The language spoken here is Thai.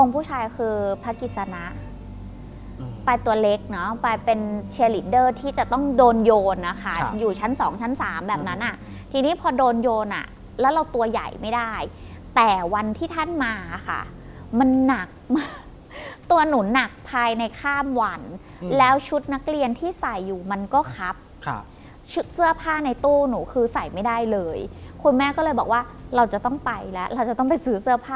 ผู้ชายคือพระกิจสนะปลายตัวเล็กเนาะไปเป็นเชลิดเดอร์ที่จะต้องโดนโยนนะคะอยู่ชั้นสองชั้นสามแบบนั้นอ่ะทีนี้พอโดนโยนอ่ะแล้วเราตัวใหญ่ไม่ได้แต่วันที่ท่านมาค่ะมันหนักมากตัวหนูหนักภายในข้ามวันแล้วชุดนักเรียนที่ใส่อยู่มันก็ครับชุดเสื้อผ้าในตู้หนูคือใส่ไม่ได้เลยคุณแม่ก็เลยบอกว่าเราจะต้องไปแล้วเราจะต้องไปซื้อเสื้อผ้า